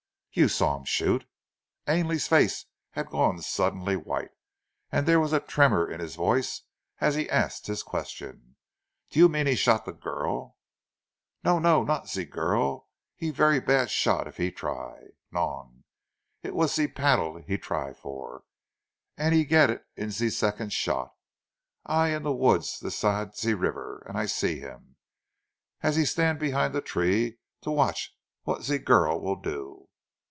"You saw him shoot?" Ainley's face had gone suddenly white, and there was a tremor in his voice as he asked his questions. "Do you mean he shot the girl?" "No! No! Not zee girl. He very bad shot if he try. Non! It was zee paddle he try for, an' he get it zee second shot. I in the woods this side zee river an' I see him, as he stand behind a tree to watch what zee girl she will do."